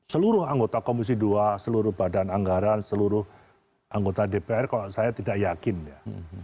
seluruh anggota komisi dua seluruh badan anggaran seluruh anggota dpr kalau saya tidak yakin ya